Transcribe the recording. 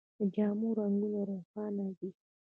د جامو رنګونه روښانه دي.